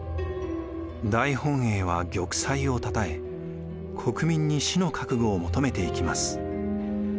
大本営は玉砕をたたえ国民に死の覚悟を求めていきます。